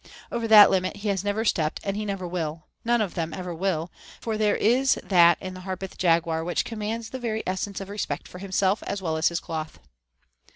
Over that limit he has never stepped and he never will; none of them ever will, for there is that in the Harpeth Jaguar which commands the very essence of respect for himself as well as his cloth.